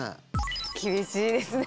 厳しいですね。